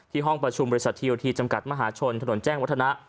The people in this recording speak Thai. ห้องประชุมบริษัททีโอทีจำกัดมหาชนถนนแจ้งวัฒนะ